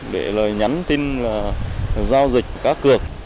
để nhắn tin giao dịch các cược